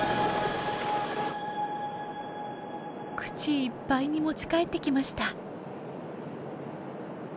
口いっぱいに持ち帰ってきました。